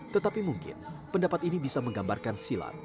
tetapi mungkin pendapat ini bisa menggambarkan silat